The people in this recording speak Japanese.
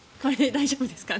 大丈夫ですか？